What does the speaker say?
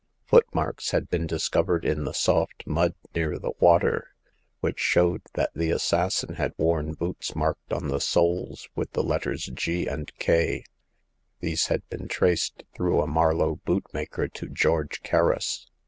Footmarks had been discovered in the soft mud near the water, which showed that the assassin had worn boots marked on the soles with the letters G " and K." These had been traced, through a Marlow bootmaker, to George Kerris.